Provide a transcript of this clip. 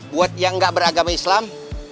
buat yang gak beragama islam